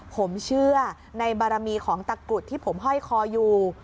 ผมเชื่อในบารมีของตะกรุดที่ผมห้อยคออยู่